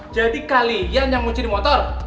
jadi kalian yang mencuri motor